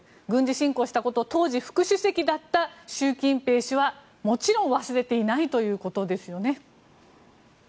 軍事侵攻したことを当時、副主席だった習近平氏はもちろん忘れていないということですよね。